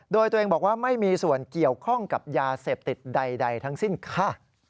โดยตัวเองบอกว่าไม่มีส่วนเกี่ยวข้องกับยาเสพติดใดทั้งสิ้นค่ะ